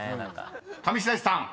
［上白石さん